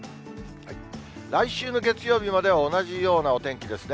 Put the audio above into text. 来週の月曜日までは同じようなお天気ですね。